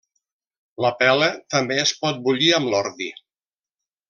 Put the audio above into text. La pela també es pot bullir amb l'ordi.